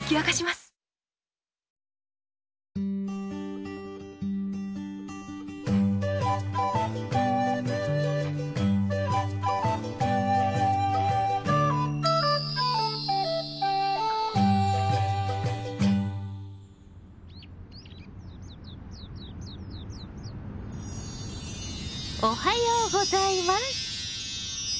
おはようございます。